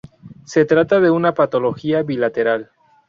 Se trata de una patología bilateral.